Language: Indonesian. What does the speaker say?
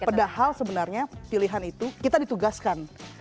padahal sebenarnya pilihan itu kita ditugaskan